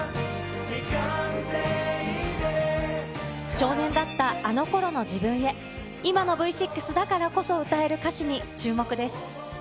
少年だったあのころの自分へ、今のＶ６だからこそ歌える歌詞に注目です。